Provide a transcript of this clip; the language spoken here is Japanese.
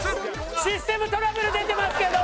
システムトラブル出てますけど！